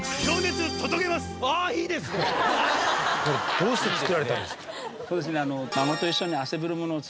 どうして作られたんですか？